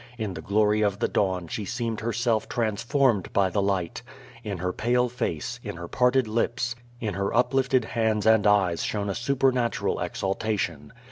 In the glory of the dawn she seemed herself transformed by the light. In her pale face, in her parted lips, in her uplifted hands and eyes shone a supernatural ex altation.